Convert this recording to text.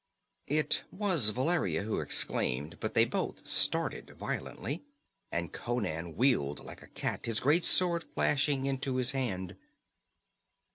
_" It was Valeria who exclaimed, but they both started violently, and Conan wheeled like a cat, his great sword flashing into his hand.